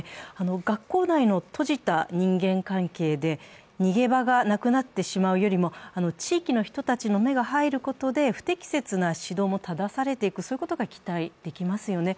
学校内の閉じた人間関係で逃げ場がなくなってしまうよりも地域の人たちの目が入ることで不適切な指導もただされていく、そういうことが期待できますよね。